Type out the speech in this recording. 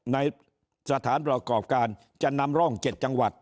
ในสถานประกอบการจะนำร่อง๗จังหวัด